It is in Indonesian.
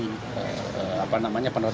apa namanya penodaan agama tersebut